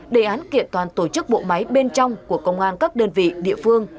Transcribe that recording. đề án kiện toàn tổ chức bộ máy bên trong của công an các đơn vị địa phương